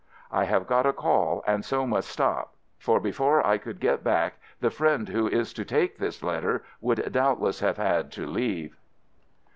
I have got a call and so must stop — for before I could get back the friend who is to take this letter would doubtless have had to leave.